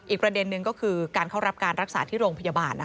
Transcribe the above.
ประเด็นหนึ่งก็คือการเข้ารับการรักษาที่โรงพยาบาล